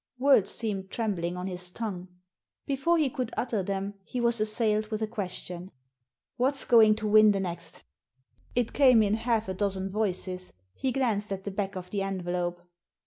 Words seemed trembling on his tongue. Before he could utter them he was assailed with a question. " What's going to win the next ?" It came in half a dozen voices. He glanced at the back of the envelope.